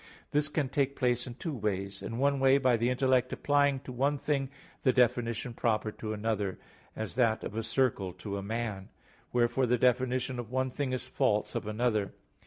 This can take place in two ways. In one way, by the intellect applying to one thing the definition proper to another; as that of a circle to a man. Wherefore the definition of one thing is false of another.